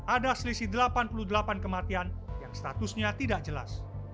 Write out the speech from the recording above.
ada selisih delapan puluh delapan kematian yang statusnya tidak jelas